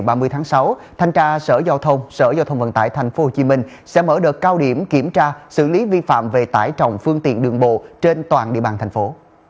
ngày ba mươi tháng sáu thanh tra sở giao thông sở giao thông vận tải tp hcm sẽ mở đợt cao điểm kiểm tra xử lý vi phạm về tải trọng phương tiện đường bộ trên toàn địa bàn thành phố